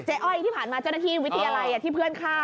อ้อยที่ผ่านมาเจ้าหน้าที่วิทยาลัยที่เพื่อนฆ่า